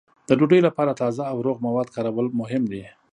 د ډوډۍ لپاره تازه او روغ مواد کارول مهم دي.